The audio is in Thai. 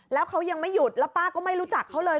แล้วเขายังไม่หยุดแล้วป้าก็ไม่รู้จักเขาเลย